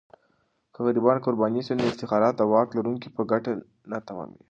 که غریبان قرباني سي، نو افتخارات د واک لرونکو په ګټه تمامیږي.